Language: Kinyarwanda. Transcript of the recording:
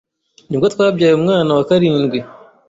nibwo twabyaye umwana wa karindwi